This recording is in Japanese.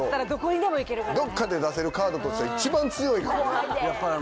どっかで出せるカードとしては一番強いかもね。